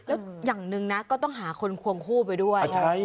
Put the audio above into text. แล้วอย่างหนึ่งนะก็ต้องหาคนควงคู่ไปด้วย